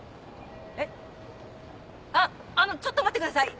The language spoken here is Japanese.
えっあっあのちょっと待ってください。